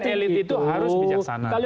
kalau yang di kalti